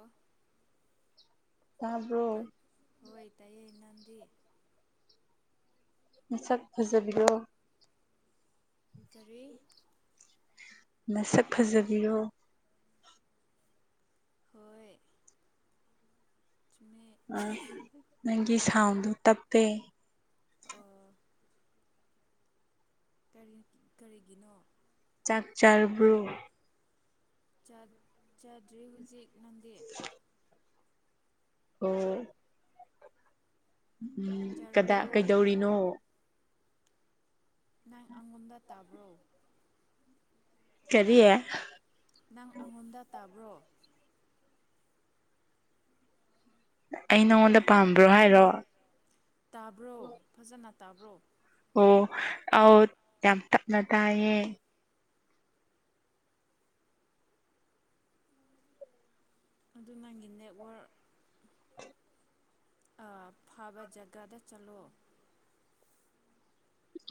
ꯑꯥ ꯇꯥꯕ꯭ꯔꯣ ꯍꯣꯏ ꯇꯥꯏꯌꯦ ꯅꯪꯗꯤ ꯃꯁꯛ ꯐꯖꯕꯤꯔꯣ ꯀꯔꯤ ꯃꯁꯛ ꯐꯖꯕꯤꯔꯣ ꯍꯣꯏ ꯆꯨꯝꯃꯦ ꯑꯥ ꯅꯪꯒꯤ ꯁꯥꯎꯟꯗꯨ ꯇꯞꯄꯦ ꯑ ꯀꯔꯤ ꯀꯔꯤꯒꯤꯅꯣ ꯆꯥꯛ ꯆꯥꯔꯕ꯭ꯔꯣ ꯆꯥꯛ ꯆꯥꯗ꯭ꯔꯤ ꯍꯧꯖꯤꯛ ꯅꯪꯗꯤ ꯑꯣ ꯎꯝ ꯀꯗꯥ ꯆꯥꯔꯕ꯭ꯔꯣ ꯀꯩꯗꯧꯔꯤꯅꯣ ꯅꯪ ꯑꯉꯣꯟꯗ ꯇꯥꯕ꯭ꯔꯣ ꯀꯔꯤ ꯅꯪ ꯑꯉꯣꯟꯗ ꯇꯥꯕ꯭ꯔꯣ ꯑꯩ ꯅꯪꯉꯣꯟꯗ ꯄꯥꯝꯕ꯭ꯔꯣ ꯍꯥꯏꯔꯣ ꯇꯥꯕ꯭ꯔꯣ ꯐꯖꯅ ꯇꯥꯕ꯭ꯔꯣ ꯑꯣ ꯑꯧ ꯌꯥꯝ ꯇꯞꯅ ꯇꯥꯏꯌꯦ ꯑꯗꯨ ꯅꯪꯒꯤ ꯅꯦꯠꯋꯥꯔꯛ ꯑꯥ ꯐꯥꯕ ꯖꯒꯥꯗ ꯆꯠꯂꯣ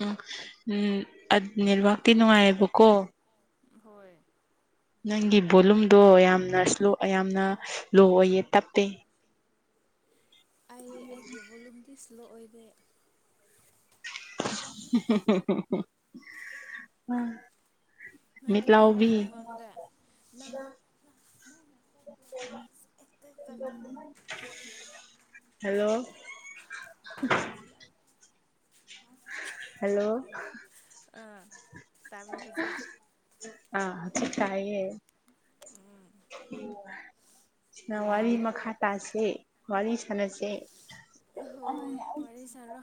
ꯎꯝ ꯎꯝ ꯑꯠ ꯅꯦꯠꯋꯥꯔꯛꯇꯤ ꯅꯨꯡꯉꯥꯏꯌꯦꯕꯀꯣ ꯍꯣꯏ ꯅꯪꯒꯤ ꯕꯣꯂꯨꯝꯗꯣ ꯌꯥꯝꯅ ꯁ꯭ꯂꯣ ꯑꯌꯥꯝꯅ ꯂꯣ ꯑꯣꯏꯌꯦ ꯇꯞꯄꯦ ꯑꯩ ꯑꯩꯒꯤ ꯚꯣꯂꯨꯝꯗꯤ ꯁ꯭ꯂꯣ ꯑꯣꯏꯗꯦ [unintelligible] ꯅꯪ ꯀꯃꯥꯏꯅ ꯂꯥꯎꯕꯤ ꯑꯉꯣꯟꯗ ꯅꯪ [unintelligible] [unintelligible] ꯍꯜꯂꯣ ꯍꯜꯂꯣ [unintelligible] ꯑꯥ ꯇꯥꯕ꯭ꯔꯣ ꯍꯧꯖꯤꯛ ꯑꯥ ꯍꯧꯖꯤꯛ ꯇꯥꯏꯌꯦ ꯁꯤꯅ ꯋꯥꯔꯤ ꯇꯥꯏꯌꯦꯀꯣ ꯃꯈꯥ ꯇꯥꯁꯦ ꯋꯥꯔꯤ ꯁꯥꯟꯅꯁꯦ ꯑꯍꯣꯏ ꯋꯥꯔꯤ ꯁꯥꯔꯣ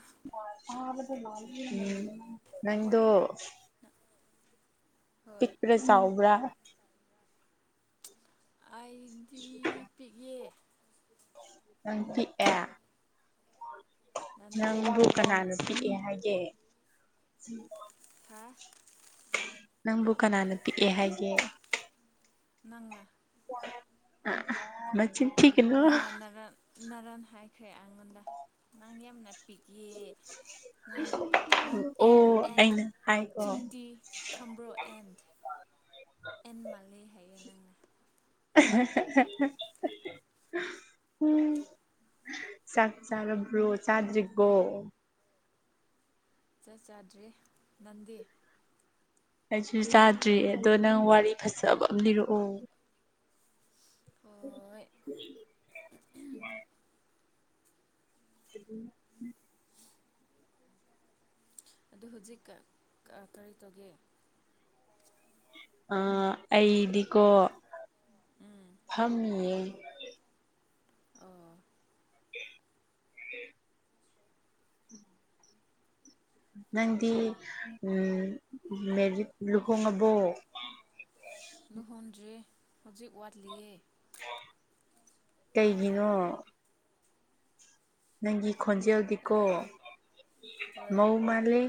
ꯎꯝ ꯅꯪꯗꯣ ꯍꯣꯏ ꯄꯤꯛꯄ꯭ꯔꯥ ꯆꯥꯎꯕ꯭ꯔꯥ ꯑꯩꯗꯤ ꯄꯤꯛꯌꯦ ꯅꯪ ꯄꯤꯛꯑꯦ ꯅꯪꯗꯤ ꯅꯪꯕꯨ ꯀꯅꯥꯅ ꯄꯤꯛꯑꯦ ꯍꯥꯏꯒꯦ ꯍꯥꯥ ꯅꯪꯕꯨ ꯀꯅꯥꯅ ꯄꯤꯛꯑꯦ ꯍꯥꯏꯒꯦ ꯅꯪꯅ ꯑꯥ ꯃꯆꯤꯟ ꯊꯤꯒꯅꯨ ꯅꯪꯅ ꯅꯔꯟ ꯅꯔꯥꯟ ꯍꯥꯏꯈ꯭ꯔꯦ ꯑꯩꯉꯣꯟꯗ ꯅꯪ ꯌꯥꯝꯅ ꯄꯤꯛꯌꯦ ꯅꯪ ꯅꯪ ꯑꯦꯟ ꯑꯣ ꯑꯦꯟ ꯑꯩꯅ ꯍꯥꯏꯀꯣ ꯆꯤꯡꯇꯤ ꯈꯝꯕ꯭ꯔꯣ ꯑꯦꯟ ꯑꯦꯟ ꯃꯥꯟꯂꯦ ꯍꯥꯏꯌꯦ ꯅꯪꯅ [unintelligible] ꯎꯝ ꯆꯥꯛ ꯆꯥꯔꯕ꯭ꯔꯣ ꯆꯥꯗ꯭ꯔꯤꯕꯣ ꯆꯥꯛ ꯆꯥꯗ꯭ꯔꯤ ꯅꯪꯗꯤ ꯑꯩꯁꯨ ꯆꯥꯗ꯭ꯔꯤ ꯑꯗꯣ ꯅꯪ ꯋꯥꯔꯤ ꯐꯖꯕ ꯑꯃ ꯂꯤꯔꯛꯑꯣ ꯑꯣꯢ [unintelligible] [unintelligible] ꯑꯗꯨ ꯍꯨꯖꯤꯛꯀꯥ ꯑ ꯀꯔꯤ ꯇꯧꯒꯦ? ꯑꯥ ꯑꯩꯗꯤꯀꯣ ꯎꯝ ꯐꯝꯃꯤꯌꯦ꯫ ꯑꯣ [unintelligible] ꯅꯪꯗꯤ ꯎꯝ ꯃꯦꯔꯤꯠ ꯂꯨꯍꯣꯡꯉꯕꯣ ꯂꯨꯍꯣꯟꯗ꯭ꯔꯤ ꯍꯨꯖꯤꯛ ꯋꯥꯠꯂꯤꯌꯦ ꯀꯩꯒꯤꯅꯣ? ꯅꯪꯒꯤ ꯑ ꯈꯣꯟꯖꯦꯜꯗꯤꯀꯣ ꯍꯣꯏ ꯃꯧ ꯃꯥꯜꯂꯦ꯫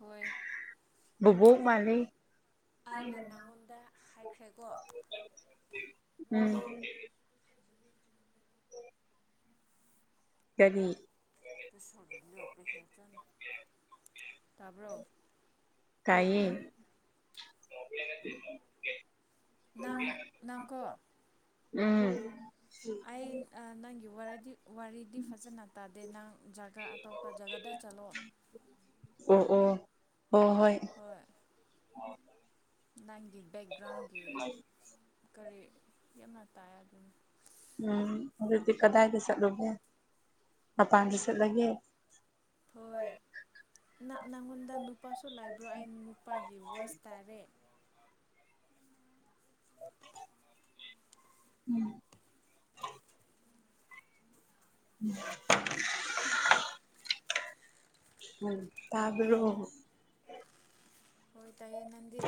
ꯍꯣꯏ ꯕꯨꯕꯣꯛ ꯃꯥꯜꯂꯦ ꯑꯩꯅ ꯅꯪꯉꯣꯟꯗ ꯍꯥꯏꯈ꯭ꯔꯦꯀꯣ ꯎꯝ ꯀꯔꯤ [unintelligible] ꯇꯥꯕ꯭ꯔꯣ ꯇꯥꯏꯌꯦ ꯅꯪ ꯅꯪꯀꯣ ꯎꯝ ꯑꯩ ꯑꯥ ꯅꯪꯒꯤ ꯋꯥꯔꯗꯤ ꯋꯥꯔꯤꯗꯤ ꯐꯖꯅ ꯇꯥꯗꯦ ꯅꯪ ꯖꯥꯒꯥ ꯑꯇꯣꯞꯄ ꯖꯒꯥꯗ ꯆꯠꯂꯣ꯫ ꯑꯣ ꯑꯣ ꯍꯣ ꯍꯣꯏ ꯍꯣꯏ [unintelligible] ꯅꯪꯒꯤ ꯕꯦꯛꯒ꯭ꯔꯥꯎꯟꯒꯤ ꯀꯔꯤ ꯌꯥꯝꯅ ꯇꯥꯏ ꯑꯗꯨꯝ ꯎꯝ ꯑꯗꯨꯗꯤ ꯀꯗꯥꯏꯗ ꯆꯠꯂꯨꯒꯦ ꯃꯄꯥꯟꯗ ꯆꯠꯂꯒꯦ꯫ ꯍꯣꯏ ꯅ ꯅꯪꯉꯣꯟꯗ ꯅꯨꯄꯥꯁꯨ ꯂꯥꯏꯕ꯭ꯔꯣ ꯑꯩ ꯅꯨꯄꯥꯒꯤ ꯚꯣꯏꯁ ꯇꯥꯔꯦ [unintelligible] [unintelligible] ꯇꯥꯕ꯭ꯔꯣ ꯍꯣꯏ ꯇꯥꯏꯌꯦ ꯅꯪꯗꯤ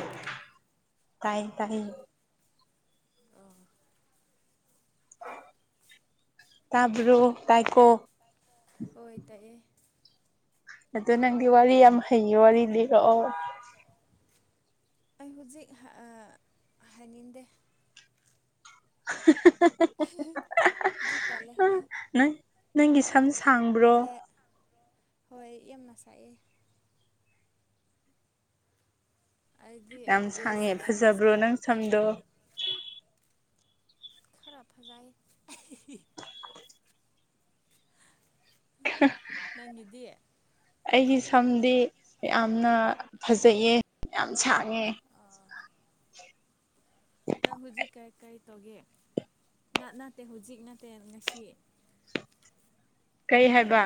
ꯇꯥꯏ ꯇꯥꯌꯦ ꯑꯣ ꯇꯥꯕ꯭ꯔꯣ ꯇꯥꯏꯀꯣ ꯍꯣꯏ ꯇꯥꯏꯌꯦ ꯑꯗꯣ ꯅꯪꯗꯤ ꯋꯥꯔꯤ ꯌꯥꯝ ꯍꯩꯌꯦ ꯋꯥꯔꯤ ꯂꯤꯔꯛꯑꯣ꯫ ꯑꯩ ꯍꯨꯖꯤꯛ ꯍ ꯑꯥ ꯍꯥꯏꯅꯤꯡꯗꯦ꯫ [unintelligible] ꯍꯨꯖꯤꯛ ꯇꯜꯂꯦ ꯅꯪ ꯅꯪꯒꯤ ꯁꯝꯁꯤ ꯂꯦ ꯍꯣꯏ ꯌꯥꯝꯅ ꯁꯥꯏꯑꯦ ꯑꯩꯗꯤ ꯌꯥꯝ ꯁꯥꯡꯉꯦ ꯋꯦꯁ ꯐꯖꯕ꯭ꯔꯣ ꯋꯦꯁꯇ ꯅꯪ ꯁꯝꯗꯣ? ꯈꯔꯥ ꯐꯖꯥꯏ [unintelligible] [unintelligible] ꯅꯪꯒꯤꯗꯤ ꯑꯩꯒꯤ ꯁꯝꯗꯤ ꯌꯥꯝꯅ ꯐꯖꯩꯌꯦ ꯌꯥꯝ ꯁꯥꯡꯉꯦ꯫ ꯑꯥ ꯅꯪ ꯍꯧꯖꯤꯛ ꯀꯔꯤ ꯀꯔꯤ ꯇꯧꯒꯦ ꯅ ꯅꯠꯇꯦ ꯍꯧꯖꯤꯛ ꯅꯠꯇꯦ ꯉꯁꯤ ꯀꯔꯤ ꯍꯥꯏꯕ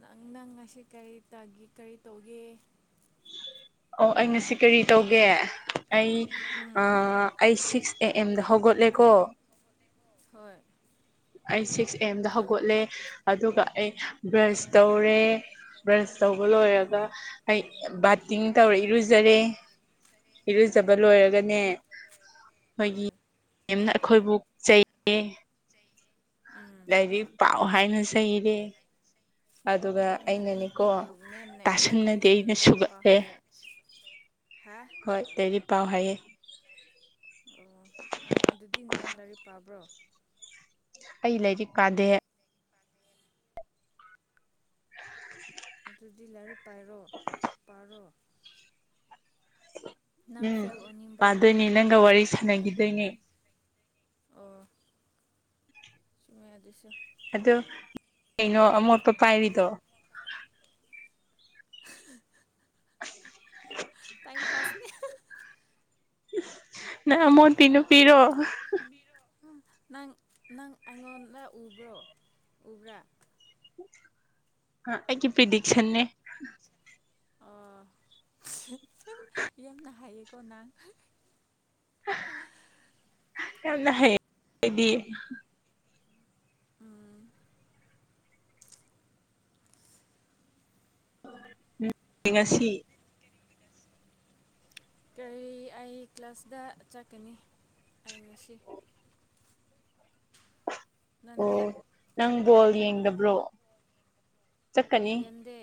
ꯅꯪ ꯅꯪ ꯉꯁꯤ ꯀꯔꯤ ꯇꯒꯦ ꯀꯔꯤ ꯇꯧꯒꯦ ꯑꯣ ꯑꯩꯩ ꯉꯁꯤ ꯀꯔꯤ ꯇꯧꯒꯦ ꯑꯩ ꯑ ꯎꯝ ꯑꯩ ꯁꯤꯛꯁ ꯑꯦ ꯑꯦꯝꯗ ꯍꯧꯒꯠꯂꯦꯀꯣ ꯍꯣꯏ ꯑꯩ ꯁꯤꯛꯁ ꯑꯦꯝꯗ ꯍꯧꯒꯠꯂꯦ ꯑꯗꯨꯒ ꯑꯩ ꯕ꯭ꯔꯁ ꯇꯧꯔꯦ ꯕ꯭ꯔꯁ ꯇꯧꯕ ꯂꯣꯏꯔꯒ ꯎꯝ ꯑꯩ ꯕꯥꯠꯇꯤꯡ ꯇꯧꯔ ꯏꯔꯨꯖꯔꯦ ꯏꯔꯨꯖꯕ ꯑꯣ ꯂꯣꯏꯔꯒꯅꯦ ꯈꯣꯏꯒꯤ ꯍꯣꯏ [unintelligible] ꯑꯩꯈꯣꯏꯕꯨ ꯆꯩꯌꯦ ꯎꯝ ꯂꯥꯏꯔꯤꯛ ꯄꯥꯎ ꯍꯥꯏꯅ ꯆꯩꯔꯦ ꯑꯗꯨꯒ ꯑꯣ ꯅ ꯑꯩꯅꯅꯦꯀꯣ ꯅꯈꯣꯏꯒꯤ ꯃꯦꯝꯅ ꯇꯥꯁꯟꯅꯗꯦ ꯏꯟꯐꯣꯔꯃꯦꯁꯟ ꯑꯩꯅ ꯂꯥꯏꯔꯤꯛ ꯄꯥꯎ ꯁꯨꯒꯠꯂꯦ ꯍꯥꯏꯌꯦ ꯍꯥꯥ ꯍꯣꯏ ꯂꯔꯤꯛ ꯄꯥꯎ ꯍꯥꯏꯌꯦ ꯅꯍꯟ ꯑꯗꯨꯗꯤ ꯅꯪ ꯂꯥꯏꯔꯤꯛ ꯄꯥꯕ꯭ꯔꯣ ꯑꯩ ꯂꯩꯔꯤꯛ ꯀꯥꯗꯦ [unintelligible] ꯗꯨꯗꯤ ꯂꯥꯏꯔꯤꯛ ꯄꯥꯏꯔꯣ ꯄꯥꯔꯣ ꯅꯪ ꯎꯝ ꯐꯦꯜ ꯑꯣꯏꯅꯤꯡꯕ꯭ꯔꯣ ꯄꯥꯗꯣꯏꯅꯦ ꯅꯪꯒ ꯋꯥꯔꯤ ꯁꯥꯟꯅꯒꯤꯗꯣꯏꯅꯦ ꯑꯣ ꯆꯨꯝꯃꯦ ꯑꯗꯨꯁꯨ ꯑꯗꯨ ꯀꯩꯅꯣ ꯑꯃꯣꯠꯄ ꯄꯥꯏꯔꯤꯗꯣ [unintelligible] ꯇꯥꯏꯝ ꯄꯥꯁꯅꯦ ꯅꯪ ꯑꯃꯧꯠꯄꯤ ꯅꯨꯄꯤꯔꯣ ꯎꯝ ꯅꯪ ꯅꯪ ꯑꯩꯉꯣꯟꯗ ꯎꯕ꯭ꯔꯣ ꯎꯕ꯭ꯔꯥ ꯑꯩꯒꯤ ꯄ꯭ꯔꯤꯗꯤꯛꯁꯟꯅꯦ ꯑꯣ ꯌꯝꯅ ꯍꯥꯏꯌꯦꯀꯣ ꯅꯪ ꯌꯥꯝꯅ ꯍꯩ ꯑꯩꯗꯤ ꯎꯝ ꯎꯝ ꯉꯁꯤ ꯀꯔꯤ ꯑꯩ ꯀ꯭ꯂꯥꯁꯇ ꯆꯠꯀꯅꯤ ꯑꯩ ꯉꯁꯤ ꯅꯪꯗꯤ ꯑꯣ ꯅꯪ ꯕꯣꯜ ꯌꯦꯡꯗꯕ꯭ꯔꯣ ꯆꯠꯀꯅꯤ ꯌꯦꯟꯗꯦ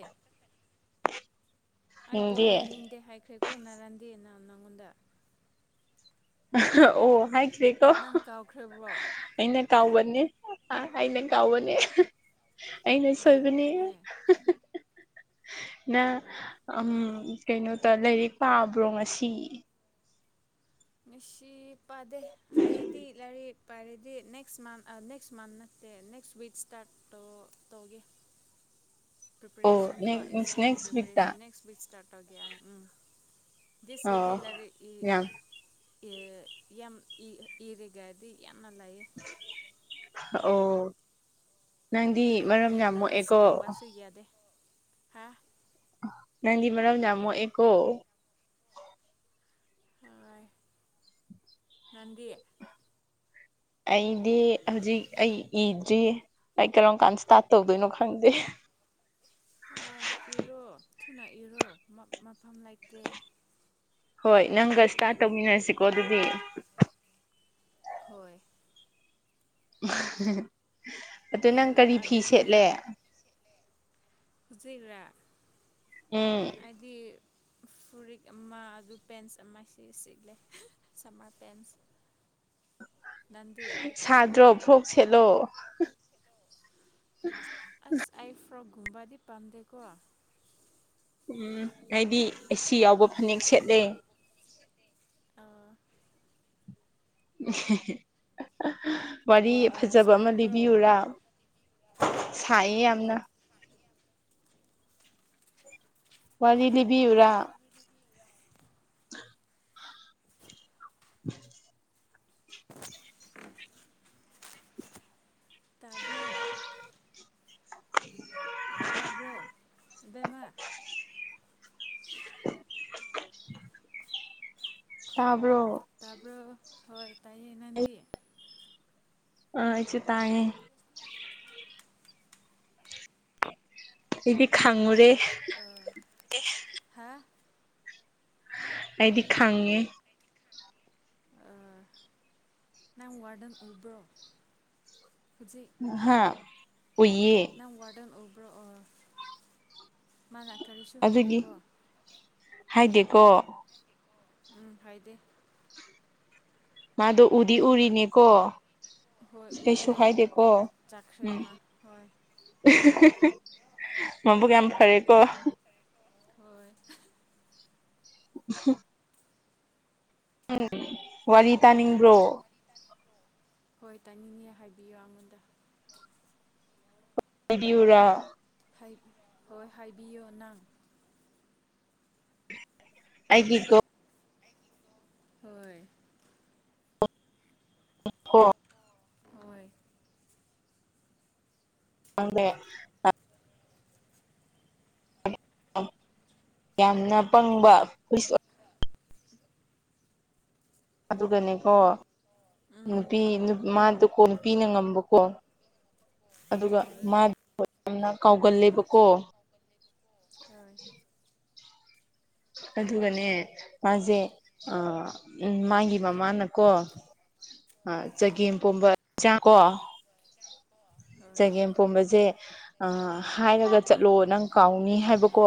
ꯑꯩ ꯕꯣꯜ ꯌꯦꯡꯗꯦ ꯌꯦꯡꯅꯤꯡꯗꯦ ꯍꯥꯏꯈ꯭ꯔꯦꯀꯣ ꯅꯅꯥꯔꯥꯟꯗꯤꯅ ꯅꯪꯉꯣꯟꯗ ꯑꯍꯥ ꯑꯣ ꯍꯥꯏꯈꯔꯦꯀꯣ ꯅꯪ ꯀꯥꯎꯈ꯭ꯔꯕ꯭ꯔꯣ ꯑꯩꯅ ꯀꯥꯎꯕꯅꯦ ꯑ ꯑꯩꯅ ꯀꯥꯎꯕꯅꯦ ꯑꯩꯅ ꯁꯤ ꯍꯣꯏ ꯁꯣꯏꯕꯅꯤ ꯑꯗꯨꯅꯦ [unintelligible] ꯅꯪ ꯎꯝ ꯀꯩꯅꯣꯇ ꯂꯥꯏꯔꯤꯛ ꯄꯥꯕ꯭ꯔꯣ ꯉꯁꯤ ꯉꯁꯤ ꯄꯥꯗꯦ ꯑꯩꯗꯤ ꯂꯥꯏꯔꯤꯛ ꯄꯥꯔꯗꯤ ꯅꯦꯛꯁ ꯃꯥꯟ ꯅꯦꯛꯁ ꯃꯥꯟ ꯅ ꯇꯦ ꯅꯦꯛꯁ ꯋꯤꯛ ꯁꯇꯥꯥꯔ ꯇꯦ ꯇꯧꯒꯦ ꯑꯣ ꯄ꯭ꯔꯤꯄꯦꯔꯦꯁꯟ ꯀꯣ ꯅꯦꯛꯁ ꯑꯦꯛꯖꯥꯝꯒꯤ ꯅꯦꯛꯁ ꯋꯤꯛꯇ ꯄ꯭ꯔꯤꯄꯦꯔꯦꯁꯟ ꯅꯦꯛꯁ ꯋꯤꯛ ꯏꯁꯇꯥꯔꯠ ꯇꯧꯒꯦ ꯎꯝ ꯗꯁ ꯋꯤꯛꯗꯤ ꯑꯣ ꯂꯥꯏꯔꯤꯛ ꯏ ꯌꯥꯝ ꯏ ꯌꯥꯝ ꯏ ꯏꯔꯒꯗꯤ ꯌꯥꯝꯅ ꯂꯥꯏꯌꯦ ꯑꯣ ꯅꯪꯗꯤ ꯎꯝ ꯃꯔꯝ ꯑꯩ ꯌꯥꯝ ꯅꯔꯁ ꯃꯣꯛꯑꯦꯀꯣ ꯒꯨꯝꯕꯁꯨ ꯌꯥꯗꯦ ꯍꯥ ꯅꯪꯗꯤ ꯃꯔꯝ ꯌꯥꯝ ꯃꯣꯛꯑꯦꯀꯣ ꯍꯣꯑꯣꯏ ꯅꯪꯗꯤ ꯑꯩꯗꯤ ꯍꯧꯖꯤꯛ ꯑꯩꯒꯤ ꯏꯗ꯭ꯔꯤ ꯑꯩ ꯀꯔꯝ ꯀꯥꯟ ꯏꯁꯇꯥꯔꯠ ꯇꯧꯗꯣꯏꯅꯣ ꯈꯪꯗꯦ ꯑꯥ ꯏꯔꯣ ꯊꯨꯅ ꯏꯔꯣ ꯃ ꯃꯐꯝ ꯂꯩꯇꯦ ꯍꯣꯏ ꯅꯪꯒ ꯏꯁꯇꯥꯔꯠ ꯇꯧꯃꯤꯟꯅꯔꯁꯤꯀꯣ ꯑꯗꯨꯗꯤ ꯍꯣꯢ ꯑꯗꯨ ꯅꯪ ꯑꯦꯔ ꯀꯔꯤ ꯐꯤ ꯑꯗꯨ ꯁꯦꯠꯂꯦ ꯍꯨꯖꯤꯛꯔ ꯎꯝ ꯑꯩꯗꯤ ꯐꯨꯔꯤꯠ ꯑꯃ ꯑꯗꯨ ꯄꯦꯟꯁ ꯑꯃ ꯁꯤ ꯁꯤꯛꯂꯦ ꯁꯝꯃꯔ ꯄꯦꯟꯁ INAUDIBLE ꯅꯪꯗꯤ ꯁꯥꯗ꯭ꯔꯣ ꯐ꯭ꯔꯣꯛ ꯁꯦꯠꯂꯣ ꯑꯥꯁ ꯑꯩ ꯐ꯭ꯔꯣꯛ ꯀꯨꯝꯕꯥꯗꯤ ꯄꯥꯝꯗꯦꯀꯣ ꯎꯪ ꯑꯩꯗꯤ ꯑꯦꯁꯤ ꯌꯥꯎꯕ ꯐꯅꯦꯛ ꯁꯦꯠꯂꯦ ꯑꯥꯑ INAUDIBLE ꯋꯥꯔꯤ ꯐꯖꯕ ꯑꯃ ꯁꯥꯔꯕ꯭ꯔꯣ ꯂꯤꯕꯤꯋꯨꯔꯥ ꯁꯥꯏꯌꯦ ꯌꯥꯝꯅ ꯍꯣꯏ ꯋꯥꯔꯤ ꯂꯤꯕꯤꯋꯨꯔꯥ INAUDIBLE ꯇꯕ꯭ꯔꯣ INAUDIBLE ꯇꯕ꯭ꯔꯣ ꯕꯦꯝꯃ ꯇꯕ꯭ꯔꯣ ꯇꯕ꯭ꯔꯣ ꯍꯣꯏ ꯇꯥꯏꯌꯦ ꯅꯪꯗꯤ ꯑꯥ ꯑꯩꯁꯨ ꯇꯥꯏꯌꯦ ꯑꯩꯗꯤ ꯈꯪꯉꯨꯔꯦ UNINTELLIGIBLE ꯑꯩꯗꯤ ꯈꯪꯉꯦ ꯑꯥ ꯅꯪ ꯋꯥꯔꯗꯟ ꯎꯕ꯭ꯔꯣ ꯍꯨꯖꯤꯛ ꯍꯥ ꯎꯏꯌꯦ ꯅꯪ ꯋꯥꯔꯗꯟ ꯎꯕ꯭ꯔꯣ ꯑꯣ ꯃꯥꯅ ꯀꯔꯤꯁꯨ ꯑꯗꯨꯒꯤ ꯍꯥꯏꯗꯦꯀꯣ ꯍꯥꯏꯗꯦꯀꯣ ꯎꯪ ꯍꯥꯏꯗꯦ ꯃꯥꯗꯨ ꯎꯗꯤ-ꯎꯔꯤꯅꯤꯀꯣ ꯍꯣꯏ ꯎꯏꯌꯦ ꯎꯞꯄꯒ ꯆꯥꯛꯈ꯭ꯔꯦ ꯃꯥ ꯍꯣꯏ ꯢꯍꯤ ꯍꯤꯍꯤ ꯃꯕꯨꯛ ꯌꯥꯝ ꯐꯔꯦꯀꯣ ꯍꯣꯑꯣꯏ INAUDIBLE ꯋꯥꯔꯤ ꯇꯥꯅꯤꯡꯕ꯭ꯔꯣ ꯍꯣꯏ ꯇꯥꯅꯤꯡꯉꯦ ꯍꯥꯏꯕꯤꯌꯨ ꯌꯉꯣꯟꯗ ꯍꯥꯏꯕꯤꯋꯨꯔ ꯍꯥꯏꯠ ꯍꯣꯏ ꯍꯥꯏꯕꯤꯌꯣꯅꯪ ꯑꯩꯒꯤꯀꯣ ꯍꯣꯏ꯫ ꯀꯣ ꯍꯣꯏ꯫ [unintelligible] ꯌꯥꯝꯅ ꯄꯪꯕ [unintelligible] ꯑꯗꯨꯒꯅꯦꯀꯣ ꯎꯝ ꯅꯨꯄꯤ ꯅꯨ ꯃꯥꯗꯨꯀꯣ ꯅꯨꯄꯤꯅ ꯉꯝꯕꯀꯣ ꯑꯗꯨꯒ ꯍꯣꯏ ꯃꯥ ꯌꯥꯝꯅ ꯀꯥꯎꯒꯜꯂꯦꯕꯀꯣ ꯍꯣꯏ ꯑꯗꯨꯒꯅꯦ ꯃꯥꯖꯦ ꯑꯥ ꯃꯥꯒꯤ ꯃꯃꯥꯅꯀꯣ ꯑꯥ ꯍꯣꯏ ꯆꯒꯦꯝ ꯄꯣꯝꯕ ꯆꯥꯡ ꯀꯣ ꯍꯣꯏ ꯆꯒꯦꯝ ꯄꯣꯝꯕꯖꯦ ꯑꯥ ꯍꯥꯏꯔꯒ ꯆꯠꯂꯣ ꯅꯪ ꯀꯥꯎꯅꯤ ꯍꯥꯏꯕꯀꯣ